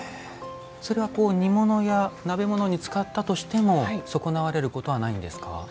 それは煮物や鍋物に使ったとしても損なわれることはないんですか？